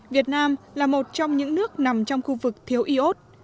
việt nam là một trong những nước nằm trong khu vực thiếu iốt